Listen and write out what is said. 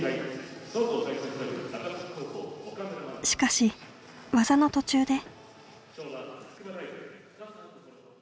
しかし技の途中で。